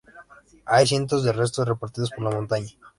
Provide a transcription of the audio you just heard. Hay cientos de restos repartidos por la montaña.